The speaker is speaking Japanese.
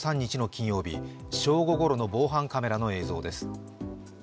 金曜日、正午ごろの防犯カメラの映像です。